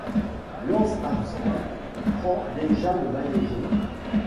Lance Armstrong prend déjà le maillot jaune.